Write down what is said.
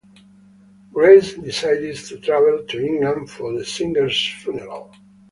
Grace decides to travel to England for the singer's funeral.